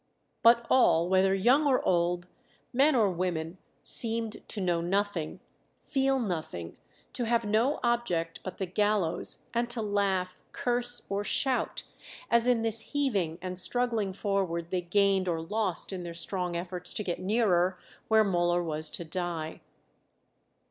But all, whether young or old, men or women, seemed to know nothing, feel nothing, to have no object but the gallows, and to laugh, curse, or shout, as in this heaving and struggling forward they gained or lost in their strong efforts to get nearer where Müller was to die."